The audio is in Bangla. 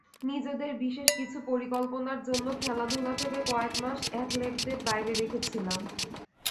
নিজেদের বিশেষ কিছু পরিকল্পনার জন্য খেলাধুলা থেকে কয়েক মাস অ্যাথলেটদের বাইরে রেখেছিলাম।